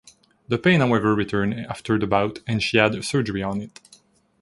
The pain however returned after the bout and she had surgery on it.